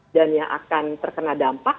dan yang akan terkena dampak